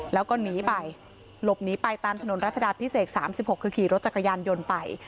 แล้วก็หนีไปหลบหนีไปตามถนนรัชดาพิเศษ๓๖คือขี่รถจักรยานยนต์ไป